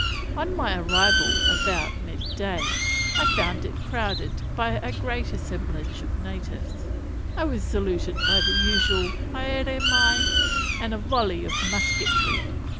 On my arrival about mid day, I found it crowded by a great assemblage of natives. I was saluted by the usual haere mai! and a volley of musketry.